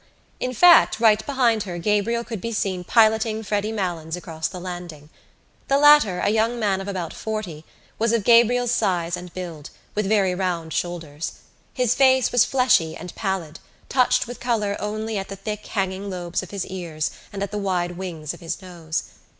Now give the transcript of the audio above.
In fact right behind her Gabriel could be seen piloting Freddy Malins across the landing. The latter, a young man of about forty, was of Gabriel's size and build, with very round shoulders. His face was fleshy and pallid, touched with colour only at the thick hanging lobes of his ears and at the wide wings of his nose.